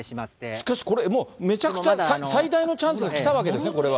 しかしこれ、めちゃくちゃ最大のチャンスがきたわけですね、これは。